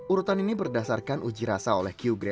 urutan ini berdasarkan uji rasa oleh kiu greda